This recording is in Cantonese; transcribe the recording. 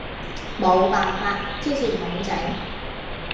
冇辦法，之前冇整